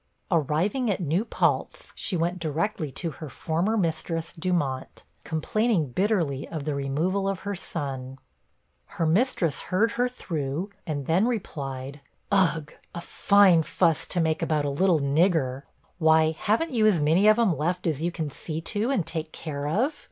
Arriving at New Paltz, she went directly to her former mistress, Dumont, complaining bitterly of the removal of her son. Her mistress heard her through, and then replied 'Ugh! a fine fuss to make about a little nigger! Why, haven't you as many of 'em left as you can see to, and take care of?